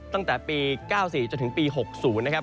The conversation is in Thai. ตั้งแต่ปี๙๔จนถึงปี๖๐นะครับ